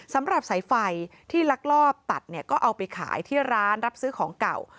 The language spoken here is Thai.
สำหรับสายไฟที่ลักลอบตัดเนี่ยก็เอาไปขายที่ร้านรับซื้อของเก่า